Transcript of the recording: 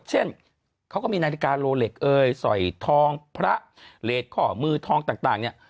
เช่นเขาก็มีนาฬิกาโลเล็กเอ่ยสอยทองพระเลสข้อมือทองต่างเนี่ย